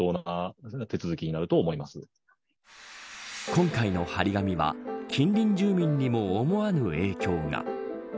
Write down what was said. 今回の張り紙は近隣住民にも思わぬ影響が。